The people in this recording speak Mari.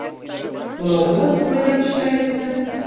Много вас, бродяг, шляется...